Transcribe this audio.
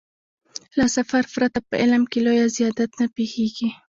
له سفر پرته په علم کې لويه زيادت نه پېښېږي.